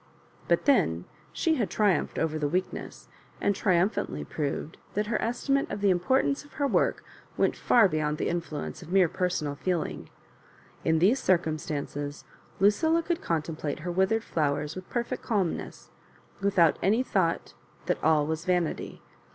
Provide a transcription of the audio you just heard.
But then she had'triumphed over the weakness, and triumphantly proved that her estimate of the importance of her work went far beybnd the influence of mere personal feeling. In these circumstances Lucilla could contemplate her withered flowers with perfect calmness, with out any thought that all was vanity.